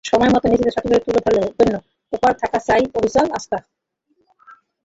সময়মতো নিজেকে সঠিকভাবে তুলে ধরার জন্য নিজের ওপর থাকা চাই অবিচল আস্থা।